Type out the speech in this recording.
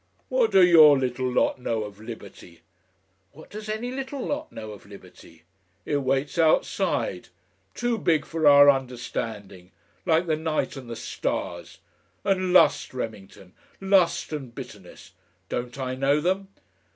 What do YOOR little lot know of liberty?" "What does any little lot know of liberty?" "It waits outside, too big for our understanding. Like the night and the stars. And lust, Remington! lust and bitterness! Don't I know them?